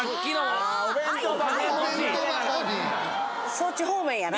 そっち方面やな。